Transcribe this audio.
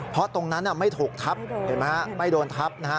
เพราะตรงนั้นไม่ถูกทับเห็นไหมฮะไม่โดนทับนะฮะ